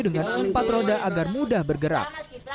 dengan empat roda agar mudah bergerak